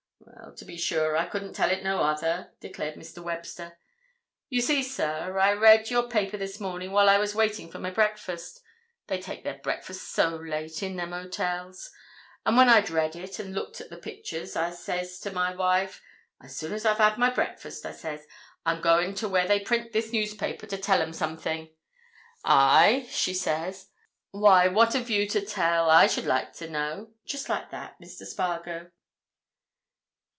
"Well, to be sure, I couldn't tell it in no other," declared Mr. Webster. "You see, sir, I read your paper this morning while I was waiting for my breakfast—they take their breakfasts so late in them hotels—and when I'd read it, and looked at the pictures, I says to my wife 'As soon as I've had my breakfast,' I says, 'I'm going to where they print this newspaper to tell 'em something.' 'Aye?' she says, 'Why, what have you to tell, I should like to know?' just like that, Mr. Spargo."